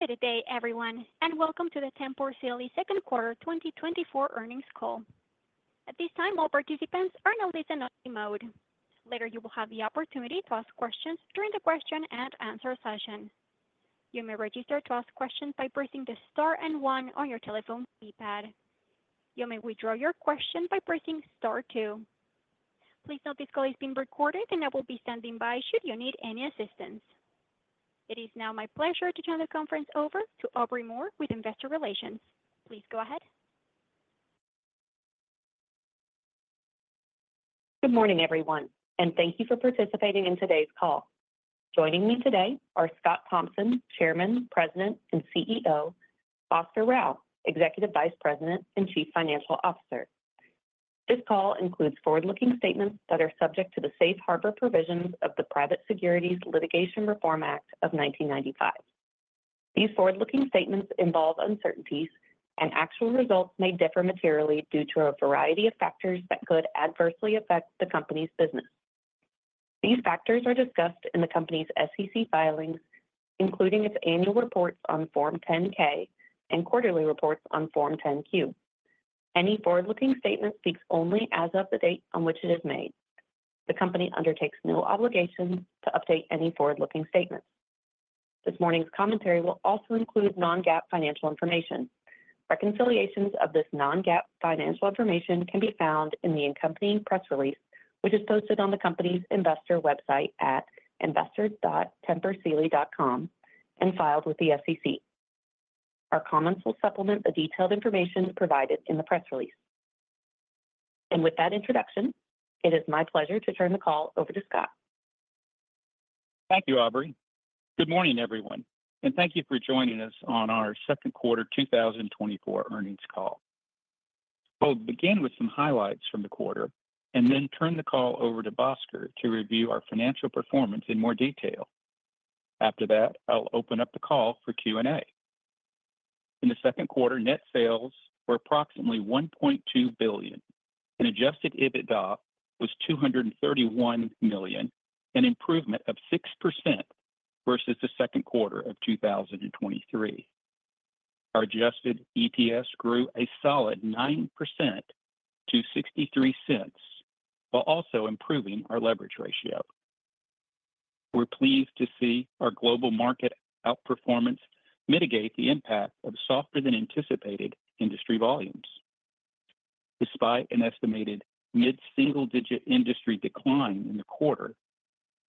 Good day, everyone, and welcome to the Tempur Sealy Second Quarter 2024 Earnings Call. At this time, all participants are in a listen-only mode. Later, you will have the opportunity to ask questions during the question and answer session. You may register to ask questions by pressing the star and one on your telephone keypad. You may withdraw your question by pressing star two. Please note this call is being recorded, and I will be standing by should you need any assistance. It is now my pleasure to turn the conference over to Aubrey Moore with Investor Relations. Please go ahead. Good morning, everyone, and thank you for participating in today's call. Joining me today are Scott Thompson, Chairman, President, and CEO. Bhaskar Rao, Executive Vice President and Chief Financial Officer. This call includes forward-looking statements that are subject to the safe harbor provisions of the Private Securities Litigation Reform Act of 1995. These forward-looking statements involve uncertainties, and actual results may differ materially due to a variety of factors that could adversely affect the company's business. These factors are discussed in the company's SEC filings, including its annual reports on Form 10-K and quarterly reports on Form 10-Q. Any forward-looking statement speaks only as of the date on which it is made. The company undertakes no obligation to update any forward-looking statements. This morning's commentary will also include non-GAAP financial information. Reconciliations of this non-GAAP financial information can be found in the accompanying press release, which is posted on the company's investor website at investor.tempursealy.com and filed with the SEC. Our comments will supplement the detailed information provided in the press release. With that introduction, it is my pleasure to turn the call over to Scott. Thank you, Aubrey. Good morning, everyone, and thank you for joining us on our second quarter 2024 earnings call. I'll begin with some highlights from the quarter and then turn the call over to Bhaskar to review our financial performance in more detail. After that, I'll open up the call for Q&A. In the second quarter, net sales were approximately $1.2 billion, and adjusted EBITDA was $231 million, an improvement of 6% versus the second quarter of 2023. Our adjusted EPS grew a solid 9% to $0.63, while also improving our leverage ratio. We're pleased to see our global market outperformance mitigate the impact of softer than anticipated industry volumes. Despite an estimated mid-single-digit industry decline in the quarter,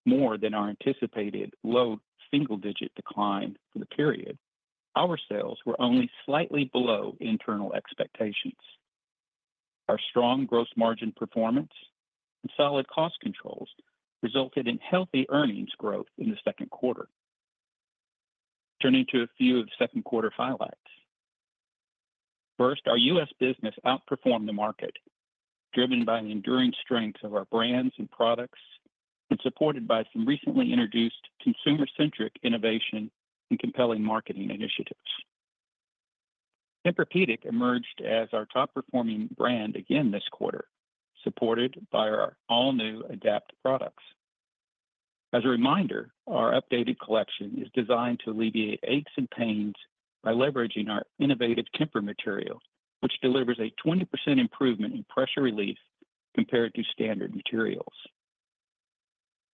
more than our anticipated low single-digit decline for the period, our sales were only slightly below internal expectations. Our strong gross margin performance and solid cost controls resulted in healthy earnings growth in the second quarter. Turning to a few of the second quarter highlights. First, our U.S. business outperformed the market, driven by an enduring strength of our brands and products, and supported by some recently introduced consumer-centric innovation and compelling marketing initiatives. Tempur-Pedic emerged as our top-performing brand again this quarter, supported by our all-new TEMPUR-Adapt products. As a reminder, our updated collection is designed to alleviate aches and pains by leveraging our innovative TEMPUR materials, which delivers a 20% improvement in pressure relief compared to standard materials.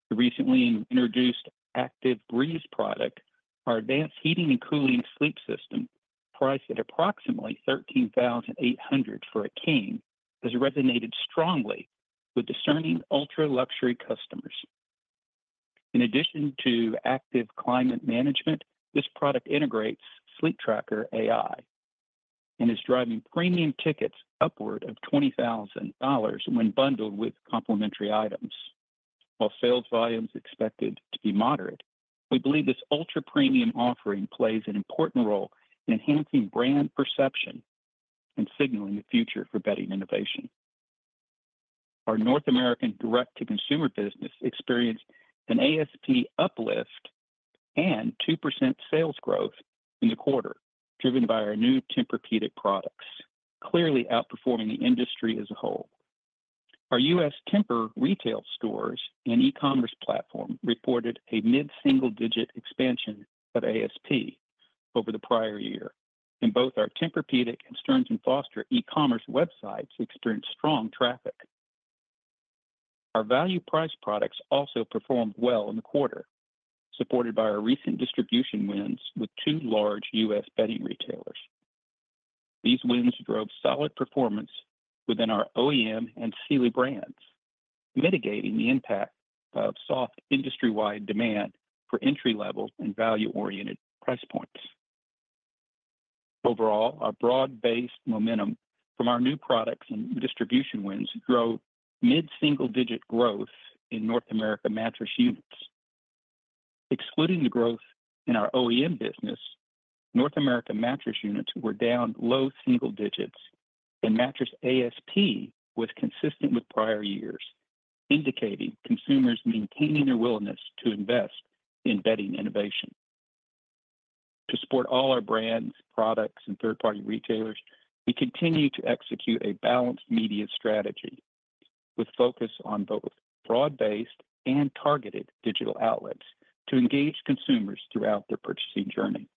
The recently introduced TEMPUR-ActiveBreeze product, our advanced heating and cooling sleep system, priced at approximately $13,800 for a king, has resonated strongly with discerning ultra-luxury customers. In addition to active climate management, this product integrates Sleeptracker-AI and is driving premium tickets upward of $20,000 when bundled with complimentary items. While sales volume is expected to be moderate, we believe this ultra-premium offering plays an important role in enhancing brand perception and signaling the future for bedding innovation. Our North American direct-to-consumer business experienced an ASP uplift and 2% sales growth in the quarter, driven by our new Tempur-Pedic products, clearly outperforming the industry as a whole. Our U.S. Tempur retail stores and e-commerce platform reported a mid-single-digit expansion of ASP over the prior year, and both our Tempur-Pedic and Stearns & Foster e-commerce websites experienced strong traffic. Our value price products also performed well in the quarter, supported by our recent distribution wins with two large U.S. bedding retailers. These wins drove solid performance within our OEM and Sealy brands, mitigating the impact of soft industry-wide demand for entry-level and value-oriented price points. Overall, our broad-based momentum from our new products and distribution wins drove mid-single-digit growth in North America mattress units. Excluding the growth in our OEM business, North America mattress units were down low single digits, and mattress ASP was consistent with prior years, indicating consumers maintaining their willingness to invest in bedding innovation. To support all our brands, products, and third-party retailers, we continue to execute a balanced media strategy. With focus on both broad-based and targeted digital outlets to engage consumers throughout their purchasing journey.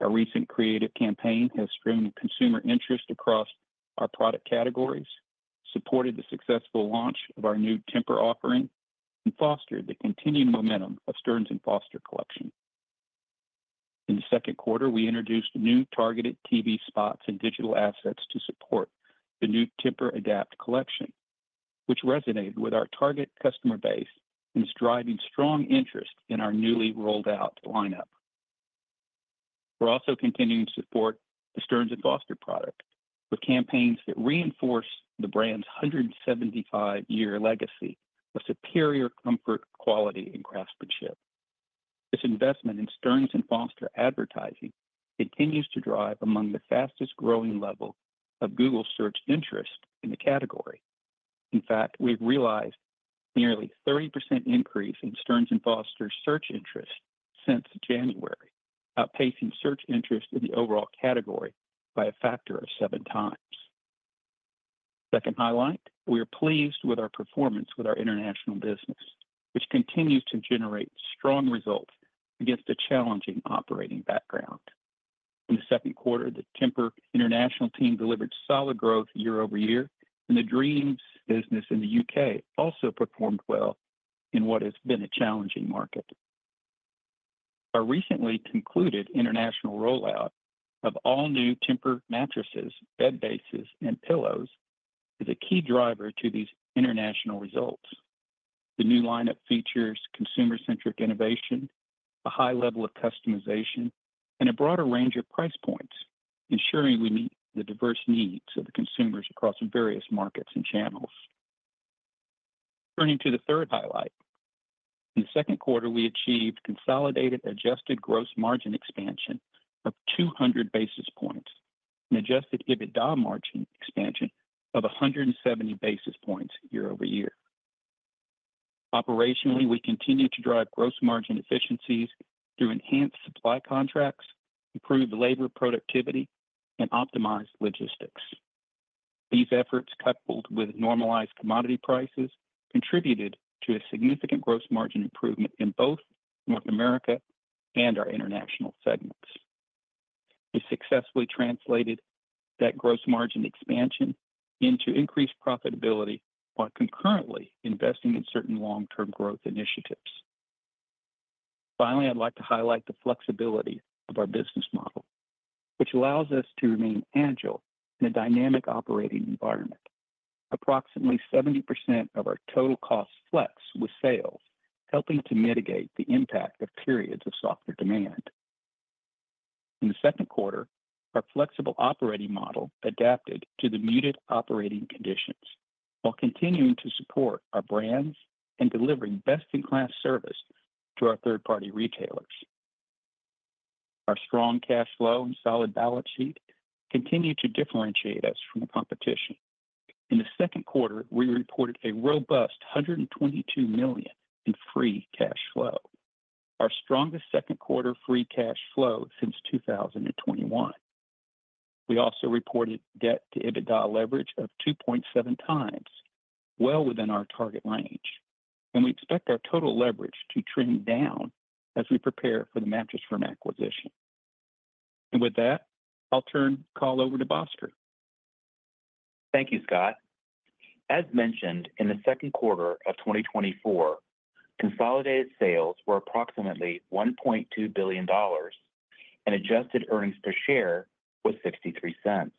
Our recent creative campaign has streamed consumer interest across our product categories, supported the successful launch of our new Tempur offering, and fostered the continuing momentum of Stearns & Foster collection. In the second quarter, we introduced new targeted TV spots and digital assets to support the new Tempur-Adapt collection, which resonated with our target customer base and is driving strong interest in our newly rolled-out lineup. We're also continuing to support the Stearns & Foster product with campaigns that reinforce the brand's 175-year legacy of superior comfort, quality, and craftsmanship. This investment in Stearns & Foster advertising continues to drive among the fastest-growing level of Google Search interest in the category. In fact, we've realized nearly 30% increase in Stearns & Foster search interest since January, outpacing search interest in the overall category by a factor of 7 times. Second highlight, we are pleased with our performance with our international business, which continues to generate strong results against a challenging operating background. In the second quarter, the Tempur international team delivered solid growth year-over-year, and the Dreams business in the U.K. also performed well in what has been a challenging market. Our recently concluded international rollout of all new Tempur mattresses, bed bases, and pillows is a key driver to these international results. The new lineup features consumer-centric innovation, a high level of customization, and a broader range of price points, ensuring we meet the diverse needs of the consumers across various markets and channels. Turning to the third highlight, in the second quarter, we achieved consolidated adjusted gross margin expansion of 200 basis points and adjusted EBITDA margin expansion of 170 basis points year-over-year. Operationally, we continued to drive gross margin efficiencies through enhanced supply contracts, improved labor productivity, and optimized logistics. These efforts, coupled with normalized commodity prices, contributed to a significant gross margin improvement in both North America and our international segments. We successfully translated that gross margin expansion into increased profitability while concurrently investing in certain long-term growth initiatives. Finally, I'd like to highlight the flexibility of our business model, which allows us to remain agile in a dynamic operating environment. Approximately 70% of our total cost flex with sales, helping to mitigate the impact of periods of softer demand. In the second quarter, our flexible operating model adapted to the muted operating conditions while continuing to support our brands and delivering best-in-class service to our third-party retailers. Our strong cash flow and solid balance sheet continue to differentiate us from the competition. In the second quarter, we reported a robust $122 million in free cash flow, our strongest second quarter free cash flow since 2021. We also reported debt to EBITDA leverage of 2.7 times, well within our target range, and we expect our total leverage to trend down as we prepare for the Mattress Firm acquisition. With that, I'll turn the call over to Bhaskar. Thank you, Scott. As mentioned, in the second quarter of 2024, consolidated sales were approximately $1.2 billion, and adjusted earnings per share was $0.63.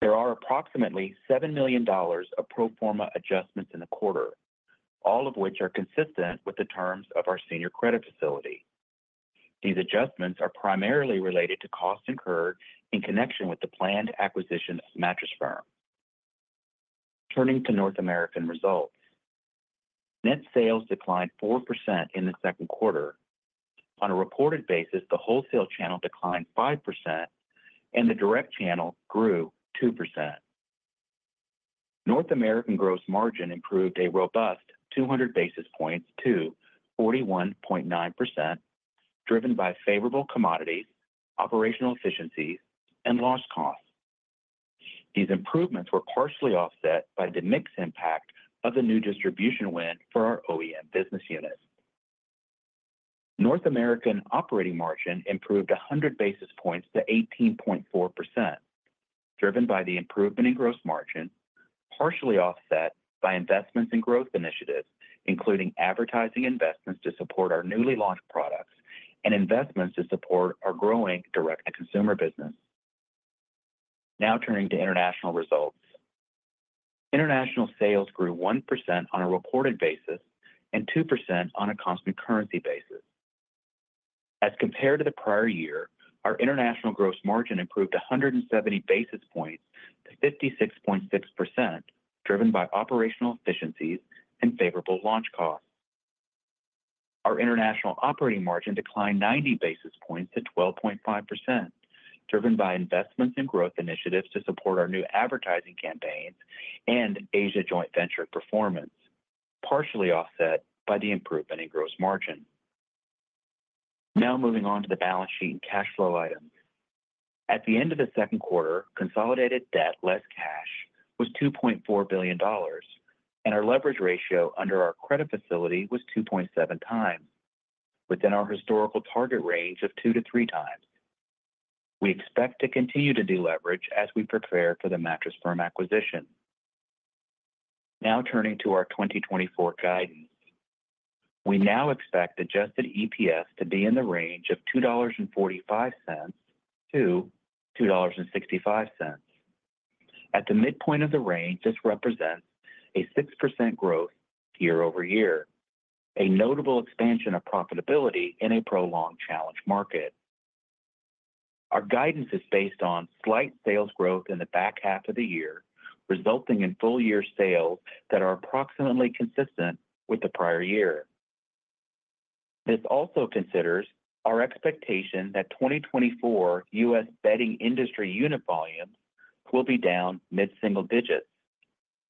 There are approximately $7 million of pro forma adjustments in the quarter, all of which are consistent with the terms of our senior credit facility. These adjustments are primarily related to costs incurred in connection with the planned acquisition of Mattress Firm. Turning to North American results. Net sales declined 4% in the second quarter. On a reported basis, the wholesale channel declined 5% and the direct channel grew 2%. North American gross margin improved a robust 200 basis points to 41.9%, driven by favorable commodities, operational efficiencies, and loss costs. These improvements were partially offset by the mix impact of the new distribution win for our OEM business unit. North American operating margin improved 100 basis points to 18.4%, driven by the improvement in gross margin, partially offset by investments in growth initiatives, including advertising investments to support our newly launched products and investments to support our growing direct-to-consumer business. Now turning to international results. International sales grew 1% on a reported basis and 2% on a constant currency basis. As compared to the prior year, our international gross margin improved 170 basis points to 56.6%, driven by operational efficiencies and favorable launch costs. Our international operating margin declined 90 basis points to 12.5%, driven by investments in growth initiatives to support our new advertising campaigns and Asia joint venture performance, partially offset by the improvement in gross margin. Now moving on to the balance sheet and cash flow items. At the end of the second quarter, consolidated debt, less cash, was $2.4 billion, and our leverage ratio under our credit facility was 2.7 times, within our historical target range of 2-3 times. We expect to continue to deleverage as we prepare for the Mattress Firm acquisition. Now turning to our 2024 guidance. We now expect adjusted EPS to be in the range of $2.45-$2.65. At the midpoint of the range, this represents a 6% growth year-over-year, a notable expansion of profitability in a prolonged challenged market. Our guidance is based on slight sales growth in the back half of the year, resulting in full year sales that are approximately consistent with the prior year. This also considers our expectation that 2024 U.S. bedding industry unit volumes will be down mid-single digits,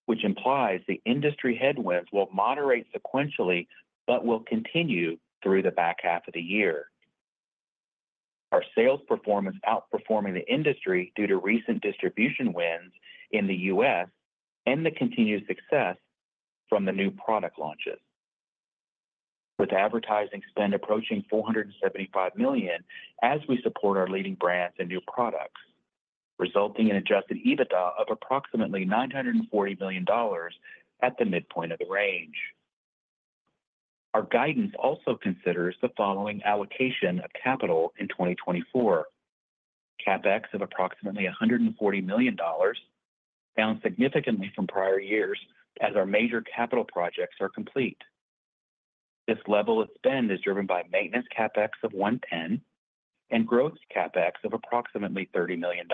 which implies the industry headwinds will moderate sequentially, but will continue through the back half of the year. Our sales performance outperforming the industry due to recent distribution wins in the U.S. and the continued success from the new product launches. With advertising spend approaching $475 million as we support our leading brands and new products, resulting in adjusted EBITDA of approximately $940 million at the midpoint of the range. Our guidance also considers the following allocation of capital in 2024. CapEx of approximately $140 million, down significantly from prior years as our major capital projects are complete. This level of spend is driven by maintenance CapEx of $110 and growth CapEx of approximately $30 million,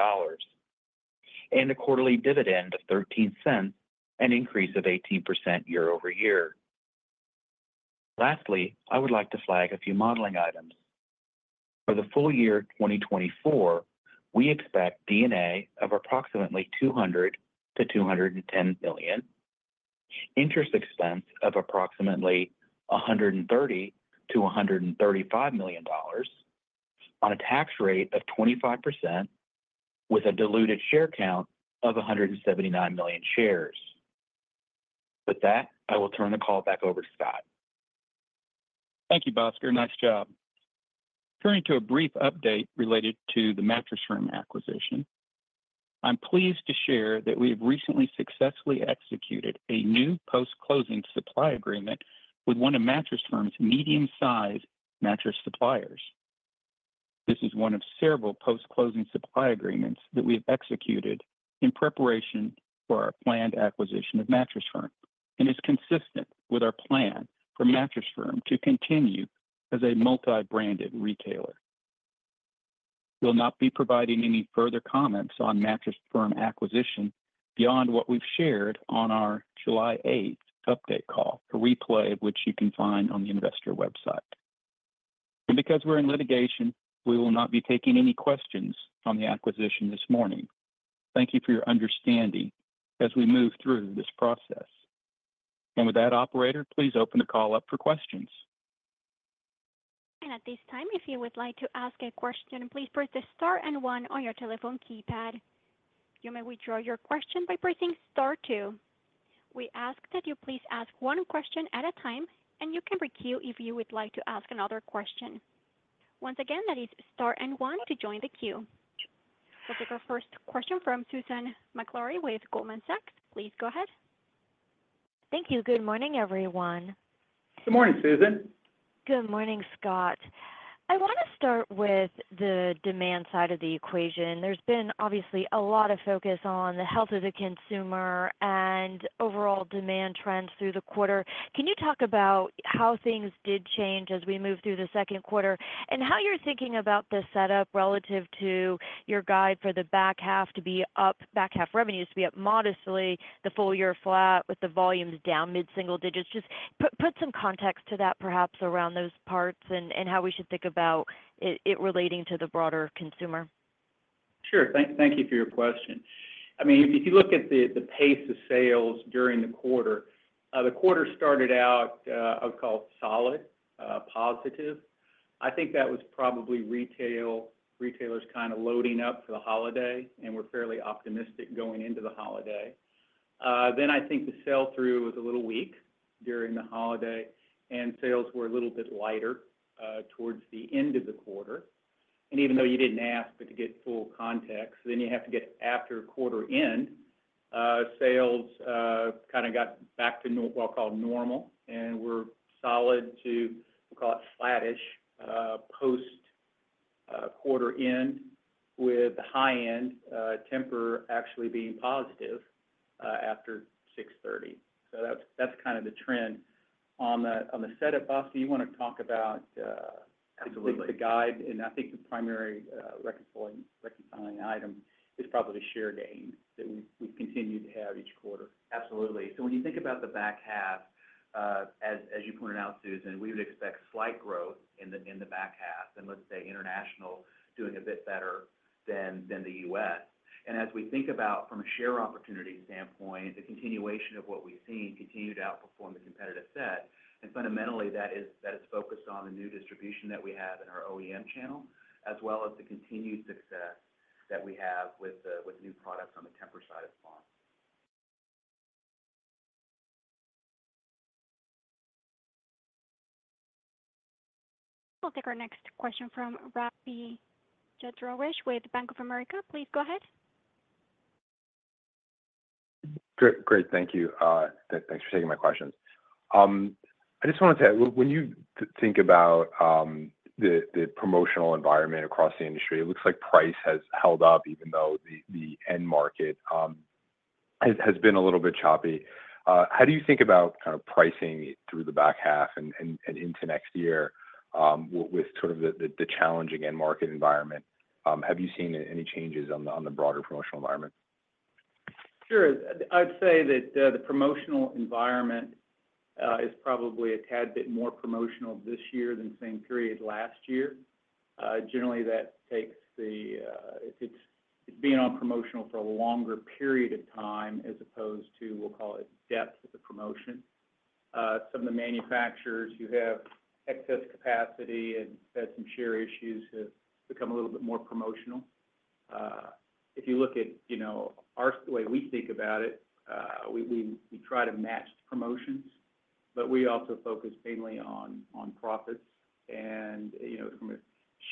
and a quarterly dividend of $0.13, an increase of 18% year-over-year. Lastly, I would like to flag a few modeling items. For the full year 2024, we expect D&A of approximately $200 million-$210 million, interest expense of approximately $130 million-$135 million, on a tax rate of 25%, with a diluted share count of 179 million shares. With that, I will turn the call back over to Scott. Thank you, Bhaskar. Nice job. Turning to a brief update related to the Mattress Firm acquisition, I'm pleased to share that we have recently successfully executed a new post-closing supply agreement with one of Mattress Firm's medium-sized mattress suppliers. This is one of several post-closing supply agreements that we have executed in preparation for our planned acquisition of Mattress Firm, and is consistent with our plan for Mattress Firm to continue as a multi-branded retailer. We'll not be providing any further comments on Mattress Firm acquisition beyond what we've shared on our July eighth update call, a replay of which you can find on the investor website. And because we're in litigation, we will not be taking any questions on the acquisition this morning. Thank you for your understanding as we move through this process. And with that, operator, please open the call up for questions. At this time, if you would like to ask a question, please press star and one on your telephone keypad. You may withdraw your question by pressing star two. We ask that you please ask one question at a time, and you can queue if you would like to ask another question. Once again, that is star and one to join the queue. We'll take our first question from Susan Maklari with Goldman Sachs. Please go ahead. Thank you. Good morning, everyone. Good morning, Susan. Good morning, Scott. I want to start with the demand side of the equation. There's been obviously a lot of focus on the health of the consumer and overall demand trends through the quarter. Can you talk about how things did change as we moved through the second quarter? How you're thinking about the setup relative to your guide for the back half to be up, back half revenues to be up modestly, the full year flat, with the volumes down mid-single digits. Just put some context to that, perhaps around those parts and how we should think about it relating to the broader consumer. Sure. Thank you for your question. I mean, if you look at the pace of sales during the quarter, the quarter started out, I would call solid, positive. I think that was probably retail, retailers kind of loading up for the holiday, and we're fairly optimistic going into the holiday. Then I think the sell-through was a little weak during the holiday, and sales were a little bit lighter towards the end of the quarter. And even though you didn't ask, but to get full context, then you have to get after quarter end, sales kind of got back to normal and were solid to, we'll call it flattish, post quarter end, with the high end, Tempur actually being positive, after six thirty. So that's kind of the trend. On the setup, Bhaskar, you want to talk about, Absolutelyhe guide, and I think the primary reconciling item is probably share gains that we continue to have each quarter. Absolutely. So when you think about the back half, as you pointed out, Susan, we would expect slight growth in the back half, and let's say, international doing a bit better than the US. And as we think about from a share opportunity standpoint, the continuation of what we've seen continue to outperform the competitive set, and fundamentally, that is focused on the new distribution that we have in our OEM channel, as well as the continued success that we have with the new products on the Tempur side of the firm. We'll take our next question from Rafe Jadrosich with Bank of America. Please go ahead. Great. Great, thank you. Thanks for taking my questions. I just wanted to add, when you think about the promotional environment across the industry, it looks like price has held up, even though the end market has been a little bit choppy. How do you think about kind of pricing through the back half and into next year with sort of the challenging end market environment? Have you seen any changes on the broader promotional environment? Sure. I'd say that, the promotional environment, is probably a tad bit more promotional this year than the same period last year. Generally, that takes the, it's being on promotional for a longer period of time, as opposed to, we'll call it, depth of the promotion. Some of the manufacturers who have excess capacity and had some share issues have become a little bit more promotional. If you look at, you know, our, the way we think about it, we try to match the promotions, but we also focus mainly on profits. And, you know, from a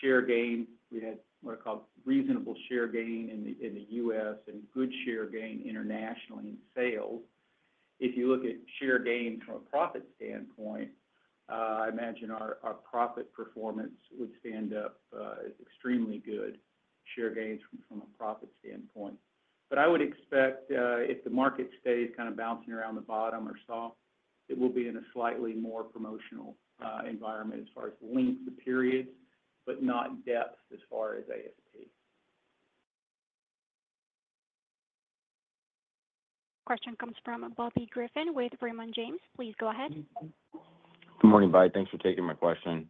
share gain, we had what are called reasonable share gain in the, in the U.S., and good share gain internationally in sales. If you look at share gain from a profit standpoint, I imagine our profit performance would stand up extremely good share gains from a profit standpoint. But I would expect, if the market stays kind of bouncing around the bottom or soft, it will be in a slightly more promotional environment as far as the length of periods, but not in depth as far as ASP. Question comes from Bobby Griffin with Raymond James. Please go ahead. Good morning, bye. Thanks for taking my question.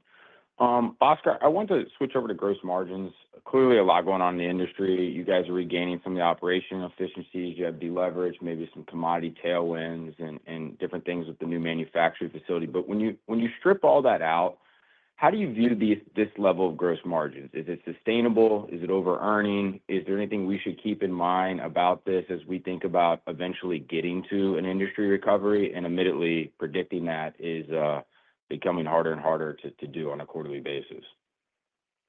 Oscar, I want to switch over to gross margins. Clearly, a lot going on in the industry. You guys are regaining some of the operational efficiencies. You have deleveraged, maybe some commodity tailwinds and different things with the new manufacturing facility. But when you strip all that out, how do you view this level of gross margins? Is it sustainable? Is it over-earning? Is there anything we should keep in mind about this as we think about eventually getting to an industry recovery? And admittedly, predicting that is becoming harder and harder to do on a quarterly basis.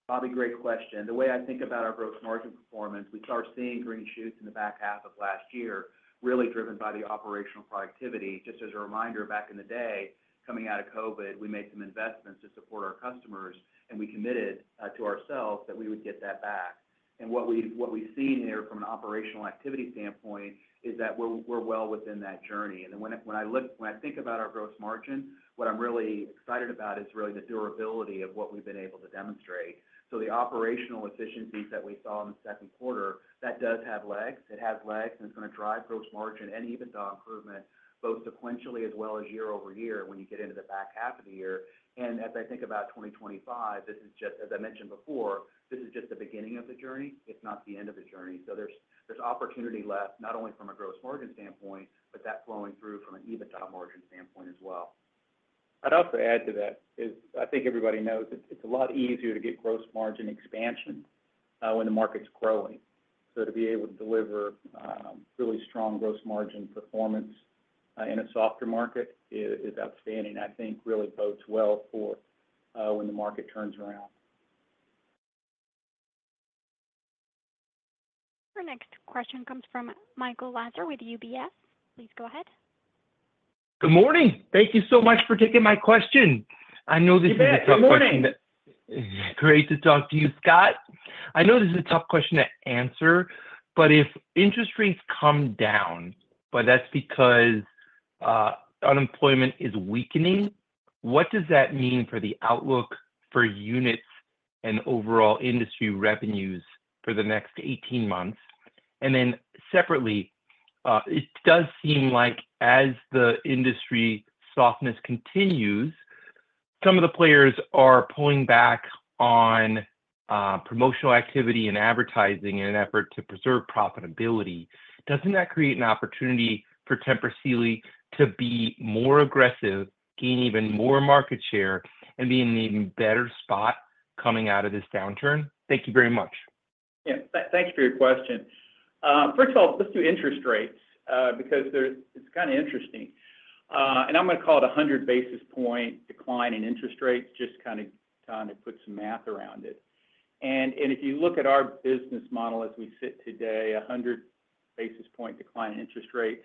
Bobby, great question. The way I think about our gross margin performance, we started seeing green shoots in the back half of last year, really driven by the operational productivity. Just as a reminder, back in the day, coming out of COVID, we made some investments to support our customers, and we committed to ourselves that we would get that back. And what we've seen here from an operational activity standpoint is that we're well within that journey. And then when I look, when I think about our gross margin, what I'm really excited about is really the durability of what we've been able to demonstrate. So the operational efficiencies that we saw in the second quarter, that does have legs. It has legs, and it's going to drive gross margin and EBITDA improvement, both sequentially as well as year over year, when you get into the back half of the year. As I think about 2025, this is just, as I mentioned before, this is just the beginning of the journey, it's not the end of the journey. So there's opportunity left, not only from a gross margin standpoint, but that flowing through from an EBITDA margin standpoint as well. I'd also add to that is, I think everybody knows it's a lot easier to get gross margin expansion when the market is growing. So to be able to deliver really strong gross margin performance in a softer market is outstanding. I think really bodes well for when the market turns around. Our next question comes from Michael Lasser with UBS. Please go ahead. Good morning. Thank you so much for taking my question. I know this is a tough question- You bet. Good morning. Great to talk to you, Scott. I know this is a tough question to answer, but if interest rates come down, but that's because, unemployment is weakening, what does that mean for the outlook for units and overall industry revenues for the next eighteen months? And then separately, it does seem like as the industry softness continues, some of the players are pulling back on, promotional activity and advertising in an effort to preserve profitability. Doesn't that create an opportunity for Tempur Sealy to be more aggressive, gain even more market share, and be in an even better spot coming out of this downturn? Thank you very much. Yeah. Thanks for your question. First of all, let's do interest rates, because there's. It's kind of interesting. I'm going to call it a 100 basis point decline in interest rates, just kind of trying to put some math around it. If you look at our business model as we sit today, a 100 basis point decline in interest rates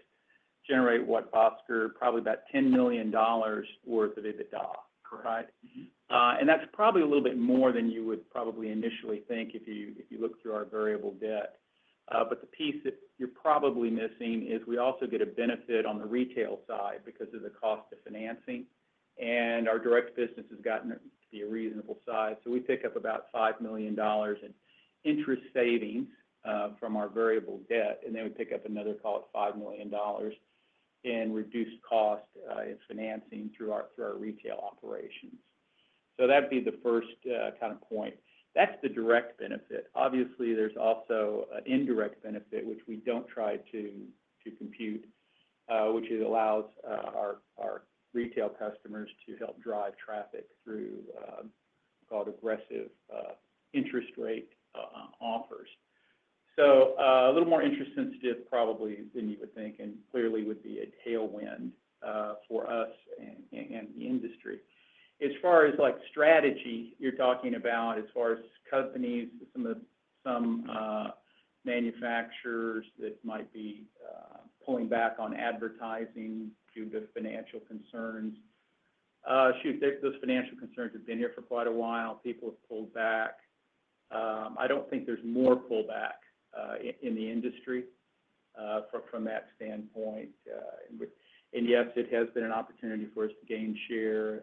generate what, Oscar? Probably about $10 million worth of EBITDA. Correct. Right? And that's probably a little bit more than you would probably initially think if you, if you look through our variable debt. But the piece that you're probably missing is we also get a benefit on the retail side because of the cost of financing, and our direct business has gotten to be a reasonable size. So we pick up about $5 million in interest savings from our variable debt, and then we pick up another, call it $5 million in reduced cost in financing through our, through our retail operations. So that'd be the first, kind of point. That's the direct benefit. Obviously, there's also an indirect benefit, which we don't try to compute, which it allows our retail customers to help drive traffic through what's called aggressive interest rate offers. So a little more interest sensitive probably than you would think, and clearly would be a tailwind for us and the industry. As far as, like, strategy, you're talking about as far as companies, some manufacturers that might be pulling back on advertising due to financial concerns. Shoot, those financial concerns have been here for quite a while. People have pulled back. I don't think there's more pullback in the industry from that standpoint. But. And yes, it has been an opportunity for us to gain share,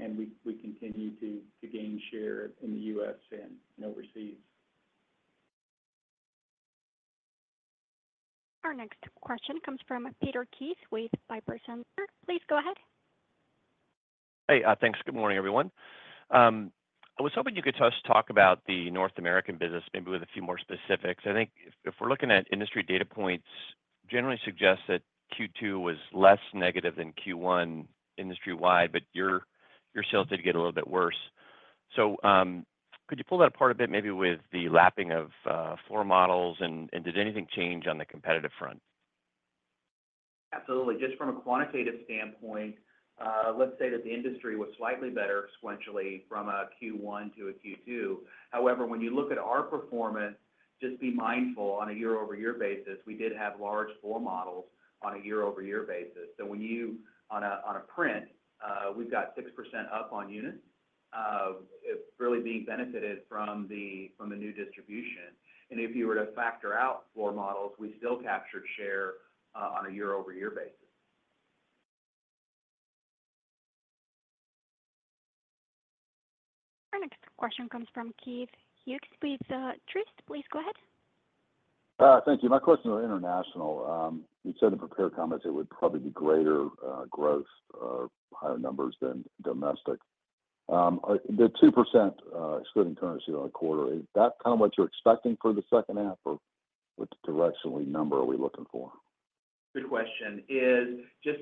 and we continue to gain share in the U.S. and overseas. Our next question comes from Peter Keith with Piper Sandler. Please go ahead. Hey, thanks. Good morning, everyone. I was hoping you could just talk about the North American business, maybe with a few more specifics. I think if we're looking at industry data points, generally suggests that Q2 was less negative than Q1 industry-wide, but your sales did get a little bit worse. So, could you pull that apart a bit, maybe with the lapping of floor models, and did anything change on the competitive front? Absolutely. Just from a quantitative standpoint, let's say that the industry was slightly better sequentially from a Q1 to a Q2. However, when you look at our performance, just be mindful, on a year-over-year basis, we did have large floor models on a year-over-year basis. So when you—on a print, we've got 6% up on units. It's really being benefited from the, from the new distribution. And if you were to factor out floor models, we still captured share, on a year-over-year basis. Our next question comes from Keith Hughes with Truist. Please go ahead. Thank you. My question is on international. You said in prepared comments it would probably be greater growth or higher numbers than domestic. Are the 2% excluding currency on a quarter, is that kind of what you're expecting for the second half, or which directionally number are we looking for? Good question. It's just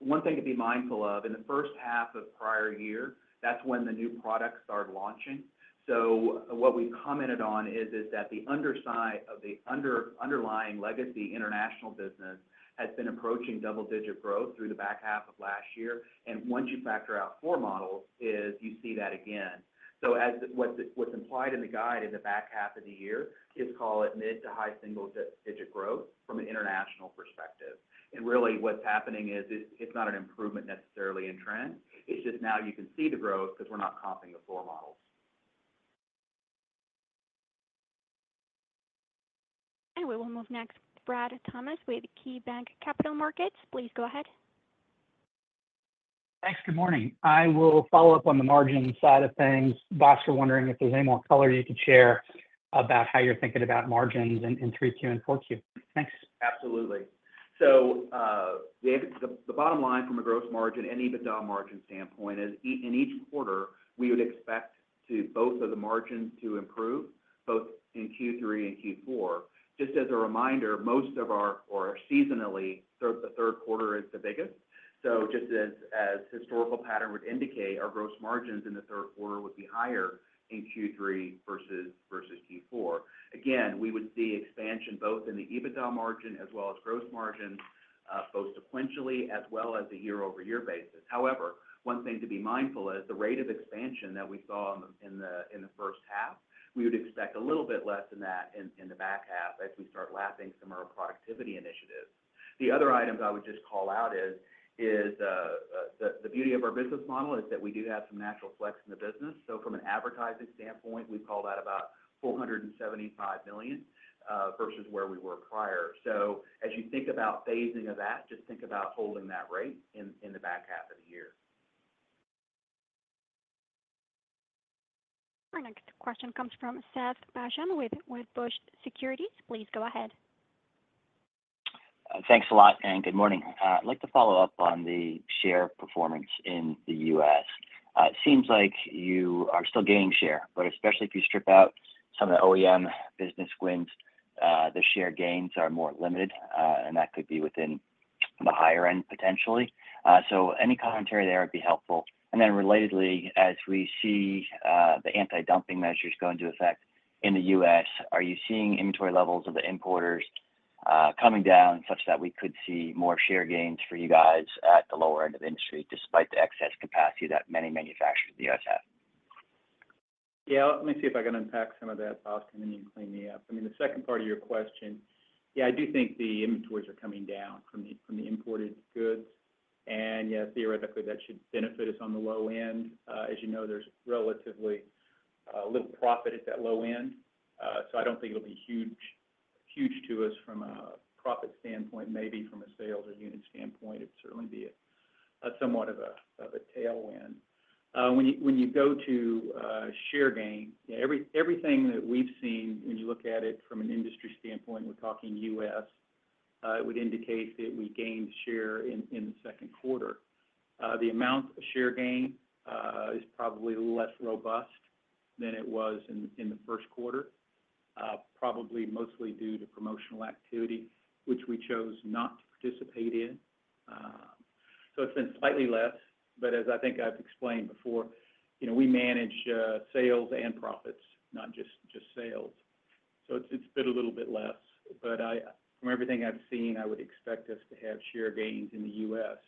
one thing to be mindful of, in the first half of prior year, that's when the new products started launching. So what we commented on is that the underside of the underlying legacy international business has been approaching double-digit growth through the back half of last year, and once you factor out floor models, you see that again. So as what's implied in the guide in the back half of the year, kids call it mid- to high-single-digit growth from an international perspective. And really, what's happening is, it's not an improvement necessarily in trend. It's just now you can see the growth because we're not comping the floor models. We will move next to Brad Thomas with KeyBanc Capital Markets. Please go ahead. Thanks. Good morning. I will follow up on the margin side of things. Bob, we're wondering if there's any more color you could share about how you're thinking about margins in 3Q and 4Q. Thanks. Absolutely. So, the bottom line from a gross margin and EBITDA margin standpoint is, in each quarter, we would expect both of the margins to improve, both in Q3 and Q4. Just as a reminder, most of our... Seasonally, the third quarter is the biggest. So just as historical pattern would indicate, our gross margins in the third quarter would be higher in Q3 versus Q4. Again, we would see expansion both in the EBITDA margin as well as gross margins, both sequentially as well as year-over-year basis. However, one thing to be mindful is the rate of expansion that we saw in the first half, we would expect a little bit less than that in the back half as we start lapping some of our productivity initiatives. The other items I would just call out is the beauty of our business model is that we do have some natural flex in the business. So from an advertising standpoint, we call that about $475 million versus where we were prior. So as you think about phasing of that, just think about holding that rate in in the back half of the year. Our next question comes from Seth Basham with Wedbush Securities. Please go ahead. Thanks a lot, and good morning. I'd like to follow up on the share performance in the U.S. It seems like you are still gaining share, but especially if you strip out some of the OEM business wins, the share gains are more limited, and that could be within the higher end potentially. So any commentary there would be helpful. And then relatedly, as we see, the anti-dumping measures go into effect in the U.S., are you seeing inventory levels of the importers coming down such that we could see more share gains for you guys at the lower end of the industry, despite the excess capacity that many manufacturers in the U.S. have? Yeah. Let me see if I can unpack some of that, Bhaskar, and then you can clean me up. I mean, the second part of your question, yeah, I do think the inventories are coming down from the, from the imported goods. And yeah, theoretically, that should benefit us on the low end. As you know, there's relatively little profit at that low end, so I don't think it'll be huge, huge to us from a profit standpoint. Maybe from a sales or unit standpoint, it'd certainly be somewhat of a tailwind. When you go to share gain, everything that we've seen, when you look at it from an industry standpoint, we're talking US- It would indicate that we gained share in the second quarter. The amount of share gain is probably less robust than it was in the first quarter, probably mostly due to promotional activity, which we chose not to participate in. So it's been slightly less, but as I think I've explained before, you know, we manage sales and profits, not just sales. So it's been a little bit less, but from everything I've seen, I would expect us to have share gains in the US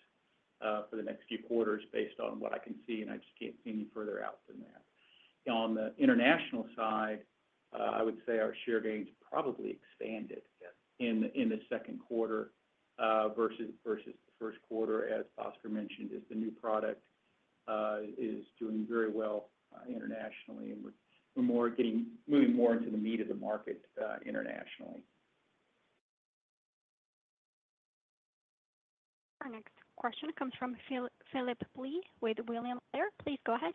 for the next few quarters based on what I can see, and I just can't see any further out than that. On the international side, I would say our share gains probably expanded- Yes in the second quarter versus the first quarter, as Oscar mentioned, as the new product is doing very well internationally, and we're moving more into the meat of the market internationally. Our next question comes from Phillip Blee with William Blair. Please go ahead.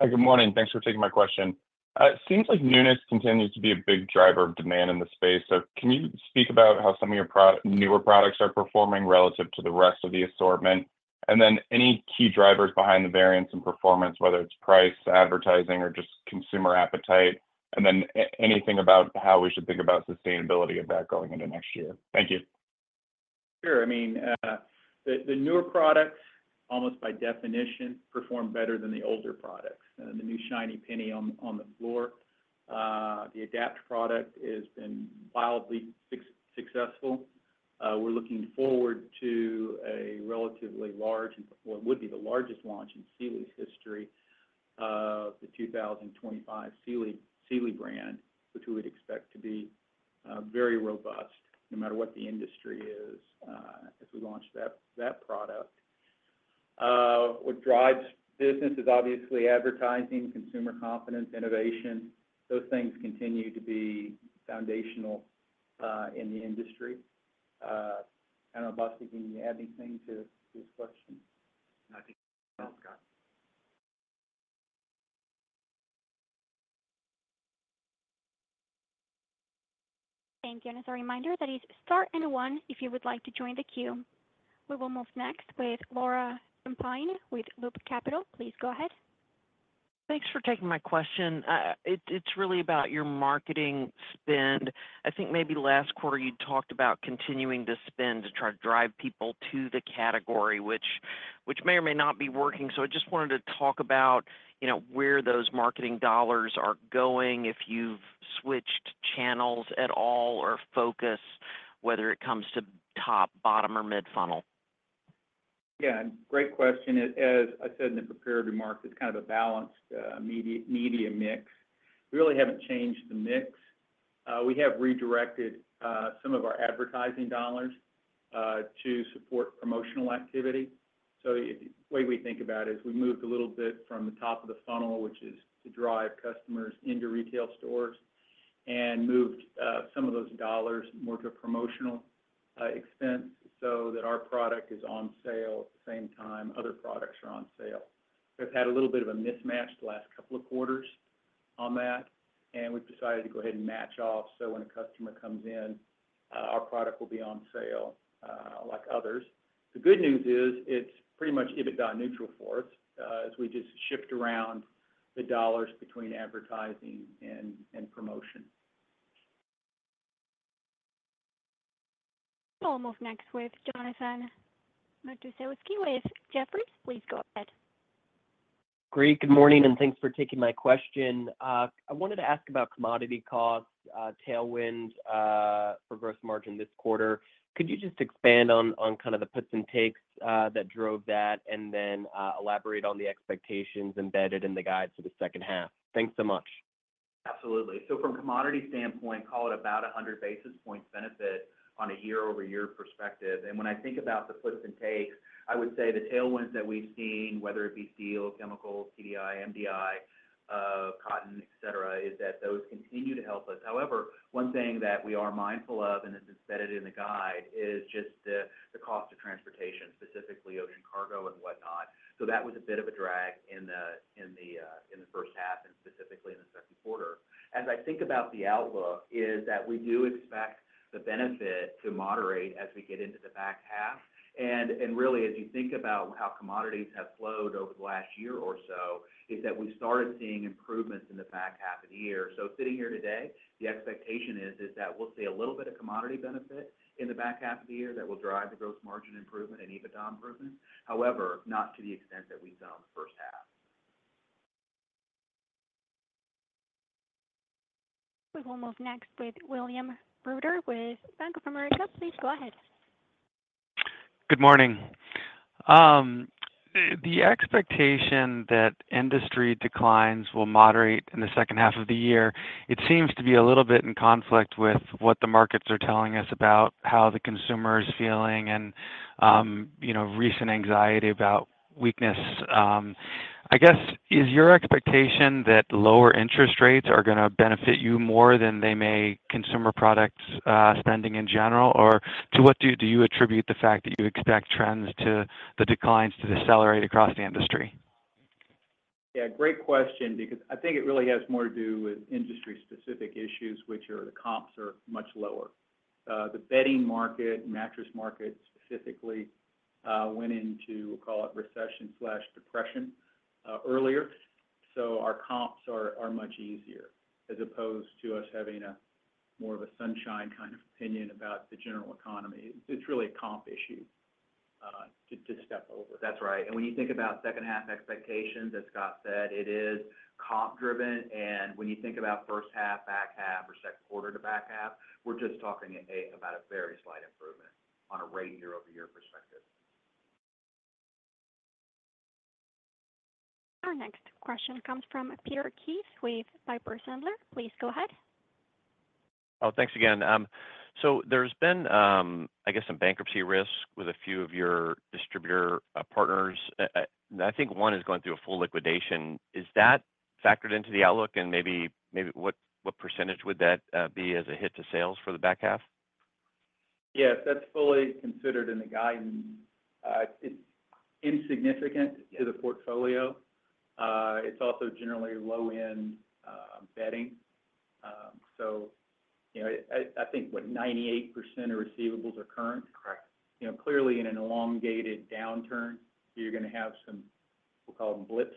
Hi, good morning. Thanks for taking my question. It seems like newness continues to be a big driver of demand in the space. So can you speak about how some of your newer products are performing relative to the rest of the assortment? And then any key drivers behind the variance in performance, whether it's price, advertising, or just consumer appetite, and then anything about how we should think about sustainability of that going into next year? Thank you. Sure. I mean, the newer products, almost by definition, perform better than the older products, the new shiny penny on the floor. The Adapt product has been wildly successful. We're looking forward to a relatively large, and what would be the largest launch in Sealy's history, the 2025 Sealy brand, which we would expect to be very robust no matter what the industry is, as we launch that product. What drives business is obviously advertising, consumer confidence, innovation. Those things continue to be foundational in the industry. I don't know, Oscar, can you add anything to this question? Nothing at all, Scott. Thank you. As a reminder, that is star and one, if you would like to join the queue. We will move next with Laura Champine with Loop Capital. Please go ahead. Thanks for taking my question. It's really about your marketing spend. I think maybe last quarter you talked about continuing to spend to try to drive people to the category, which may or may not be working. So I just wanted to talk about, you know, where those marketing dollars are going, if you've switched channels at all, or focus, whether it comes to top, bottom, or mid-funnel. Yeah, great question. As I said in the prepared remarks, it's kind of a balanced, media, media mix. We really haven't changed the mix. We have redirected, some of our advertising dollars, to support promotional activity. So the way we think about it is we moved a little bit from the top of the funnel, which is to drive customers into retail stores, and moved, some of those dollars more to promotional, expense, so that our product is on sale at the same time other products are on sale. We've had a little bit of a mismatch the last couple of quarters on that, and we've decided to go ahead and match off, so when a customer comes in, our product will be on sale, like others. The good news is, it's pretty much EBITDA neutral for us, as we just shift around the dollars between advertising and promotion. We'll move next with Jonathan Matuszewski with Jefferies. Please go ahead. Great. Good morning, and thanks for taking my question. I wanted to ask about commodity costs, tailwind, for gross margin this quarter. Could you just expand on, on kind of the puts and takes, that drove that, and then, elaborate on the expectations embedded in the guide for the second half? Thanks so much. Absolutely. So from a commodity standpoint, call it about 100 basis points benefit on a year-over-year perspective. And when I think about the puts and takes, I would say the tailwinds that we've seen, whether it be steel, chemicals, TDI, MDI, cotton, et cetera, is that those continue to help us. However, one thing that we are mindful of, and it's embedded in the guide, is just the cost of transportation, specifically ocean cargo and whatnot. So that was a bit of a drag in the first half and specifically in the second quarter. As I think about the outlook, is that we do expect the benefit to moderate as we get into the back half. really, as you think about how commodities have flowed over the last year or so, is that we started seeing improvements in the back half of the year. So sitting here today, the expectation is that we'll see a little bit of commodity benefit in the back half of the year that will drive the gross margin improvement and EBITDA improvement. However, not to the extent that we saw in the first half. We will move next with William Reuter with Bank of America. Please go ahead. Good morning. The expectation that industry declines will moderate in the second half of the year, it seems to be a little bit in conflict with what the markets are telling us about how the consumer is feeling and, you know, recent anxiety about weakness. I guess, is your expectation that lower interest rates are gonna benefit you more than they may consumer products spending in general? Or to what do you attribute the fact that you expect trends to the declines to decelerate across the industry? Yeah, great question, because I think it really has more to do with industry-specific issues, which are the comps are much lower. The bedding market, mattress market specifically, went into, call it, recession/depression, earlier. So our comps are much easier, as opposed to us having a more of a sunshine kind of opinion about the general economy. It's really a comp issue, to step over. That's right. And when you think about second half expectations, as Scott said, it is comp-driven. And when you think about first half, back half, or second quarter to back half, we're just talking about a very slight improvement on a rate year-over-year perspective. Our next question comes from Peter Keith with Piper Sandler. Please go ahead. Oh, thanks again. So there's been, I guess, some bankruptcy risk with a few of your distributor partners. I think one is going through a full liquidation. Is that factored into the outlook? And maybe, maybe what, what percentage would that be as a hit to sales for the back half? Yes, that's fully considered in the guidance. It's insignificant to the portfolio. It's also generally low-end bedding. So, you know, I think 98% of receivables are current. Correct. You know, clearly in an elongated downturn, you're gonna have some, we'll call them, blips,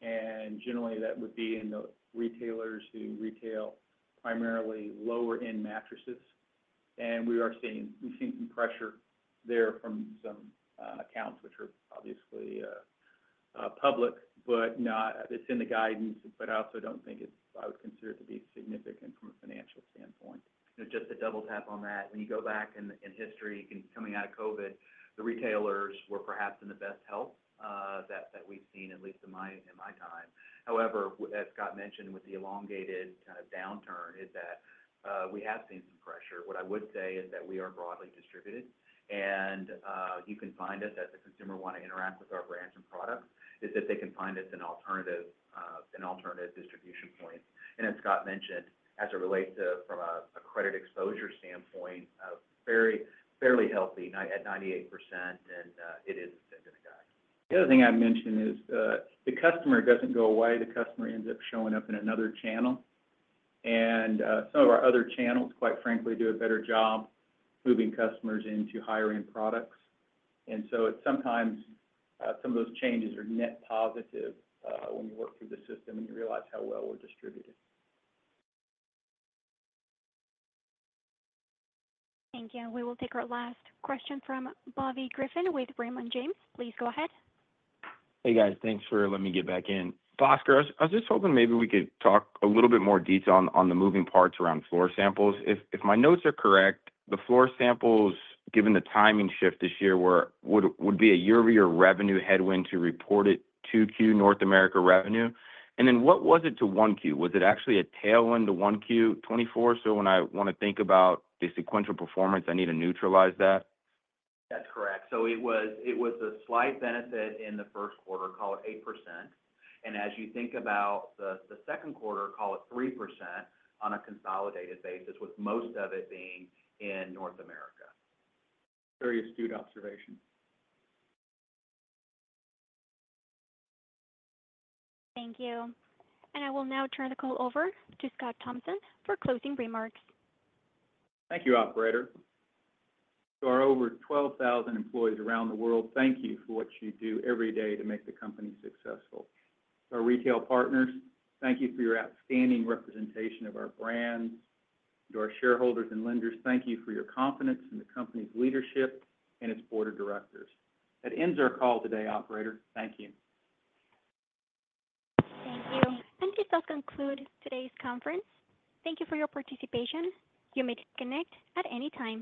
and generally, that would be in the retailers who retail primarily lower-end mattresses. We are seeing. We've seen some pressure there from some accounts, which are obviously public. But no, it's in the guidance, but I also don't think it's. I would consider it to be significant from a financial standpoint. Just to double tap on that, when you go back in history, coming out of COVID, the retailers were perhaps in the best health that we've seen, at least in my time. However, as Scott mentioned with the elongated kind of downturn, we have seen some pressure. What I would say is that we are broadly distributed, and you can find us, as the consumer want to interact with our brands and products, they can find us an alternative distribution point. And as Scott mentioned, as it relates to from a credit exposure standpoint, a very fairly healthy at 98%, and it is in the guide. The other thing I'd mention is, the customer doesn't go away. The customer ends up showing up in another channel. And, some of our other channels, quite frankly, do a better job moving customers into higher-end products. And so it's sometimes, some of those changes are net positive, when you work through the system and you realize how well we're distributed. Thank you. We will take our last question from Bobby Griffin with Raymond James. Please go ahead. Hey, guys. Thanks for letting me get back in. Oscar, I was, I was just hoping maybe we could talk a little bit more detail on, on the moving parts around floor samples. If, if my notes are correct, the floor samples, given the timing shift this year, would, would be a year-over-year revenue headwind to 2Q North America revenue. And then, what was it to 1Q? Was it actually a tailwind to 1Q 2024? So when I wanna think about the sequential performance, I need to neutralize that. That's correct. So it was a slight benefit in the first quarter, call it 8%. And as you think about the second quarter, call it 3% on a consolidated basis, with most of it being in North America. Very astute observation. Thank you. I will now turn the call over to Scott Thompson for closing remarks. Thank you, operator. To our over 12,000 employees around the world, thank you for what you do every day to make the company successful. To our retail partners, thank you for your outstanding representation of our brands. To our shareholders and lenders, thank you for your confidence in the company's leadership and its board of directors. That ends our call today, operator. Thank you. Thank you. This does conclude today's conference. Thank you for your participation. You may disconnect at any time.